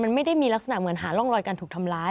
มันไม่ได้มีลักษณะเหมือนหาร่องรอยการถูกทำร้าย